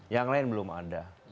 yang lain belum ada